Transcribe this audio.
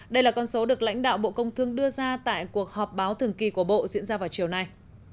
đây là con số được lãnh đạo bộ công thương đưa ra tại cuộc họp báo thường kỳ của bộ diễn ra vào chiều nay